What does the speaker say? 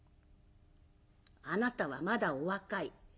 「あなたはまだお若い。